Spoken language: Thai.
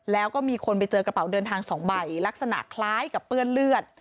แล้วก็มีคนไปเจอกระเป๋าเดินทาง๒ใบลักษณะคล้ายกับเปื้อนเลือด